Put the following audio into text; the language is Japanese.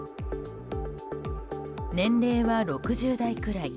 年齢は６０代くらい。